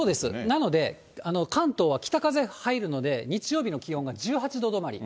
なので、関東は北風入るので、日曜日の気温が１８度止まり。